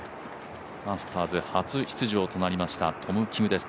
マスターズ初出場となりましたトム・キムです。